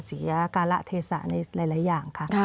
เสียการะเทศะในหลายอย่างค่ะ